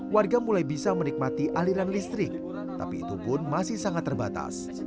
warga mulai bisa menikmati aliran listrik tapi itu pun masih sangat terbatas